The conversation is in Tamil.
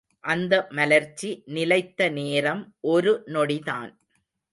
அந்த மலர்ச்சி நிலைத்த நேரம் ஒரு நொடிதான்.